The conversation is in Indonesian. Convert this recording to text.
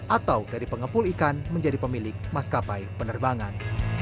atau dari pengepul ikan menjadi pemilik maskapai penerbangan